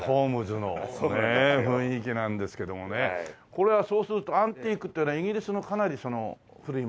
これはそうするとアンティークっていうのはイギリスのかなり古いものを。